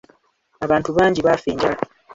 Abantu bangi baafa enjala.